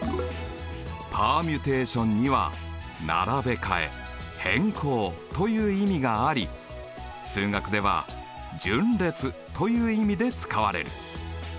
ｐｅｒｍｕｔａｔｉｏｎには並べ替え変更という意味があり数学では順列という意味で使われる。